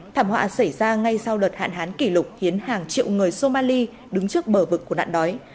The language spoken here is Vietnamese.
thảm họa xảy ra ngay sau đợt hạn hán kỷ lục khiến hàng triệu người somali đứng trước bờ vực của nạn đói